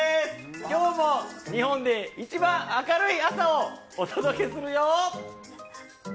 今日も日本で一番明るい朝をお届けするよ！